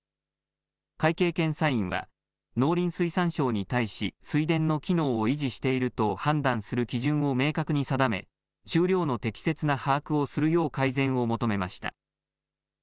会計検査院は、農林水産省に対し、水田の機能を維持していると判断する基準を明確に定め、収量の適切な把握をするよう改善を求めました。